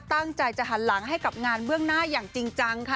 ตั้งใจจะหันหลังให้กับงานเบื้องหน้าอย่างจริงจังค่ะ